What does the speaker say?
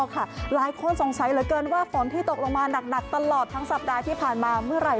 สังเกตเล่าค่ะหลายคนสงสัยเหลือเกินว่าฝนที่ตกออกมาหนักนักตลอดทั้งสัปดาห์ที่ผ่านมาเมื่อไหร่